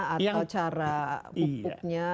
atau cara pupuknya